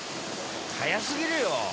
早すぎるよ。